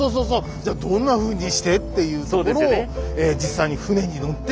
じゃあどんなふうにしてっていうところを実際に船に乗って。